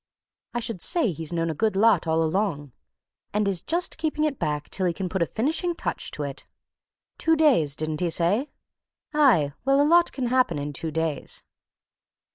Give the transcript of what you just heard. I should say he's known a good lot all along, and is just keeping it back till he can put a finishing touch to it. Two days, didn't he say? Aye, well, a lot can happen in two days!"